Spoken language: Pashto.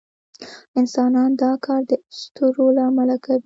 انسانان دا کار د اسطورو له امله کوي.